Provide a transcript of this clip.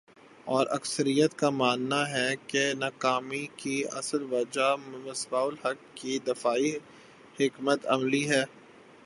اور اکثریت کا ماننا ہے کہ ناکامی کی اصل وجہ مصباح الحق کی دفاعی حکمت عملی ہے